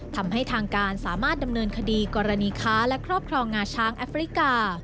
ทำให้ทางการสามารถดำเนินคดีกรณีค้าและครอบครองงาช้างแอฟริกา